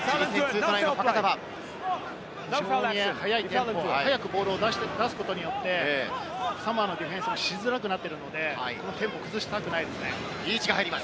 非常に速いテンポ、速くボールを出すことによってサモアのディフェンスがしづらくなっているので、テンポを崩したくないですね。